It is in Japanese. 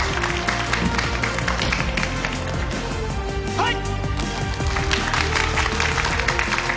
はい！